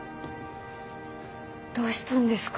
どうしたんですか？